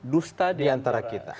dusta diantara kita